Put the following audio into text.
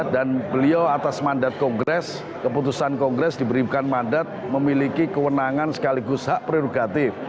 dan beliau atas mandat kongres keputusan kongres diberikan mandat memiliki kewenangan sekaligus hak prerogatif